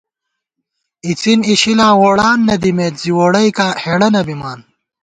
اِڅِن اِشِلاں ووڑان نہ دِمېت ، زی ووڑَئیکاں ہېڑہ نہ بِمان